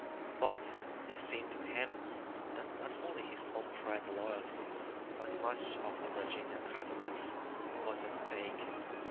But it seemed to him that not only his own pride and loyalty but much of the Virginia Carterets' was at stake.